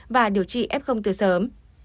và điều trị f từ sớm